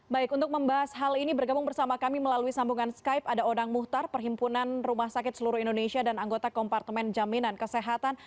baik untuk membahas hal ini bergabung bersama kami melalui sambungan skype ada odang muhtar perhimpunan rumah sakit seluruh indonesia dan anggota kompartemen jaminan kesehatan